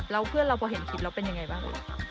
แล้วเพื่อนเราพอเห็นคลิปเราเป็นยังไงบ้าง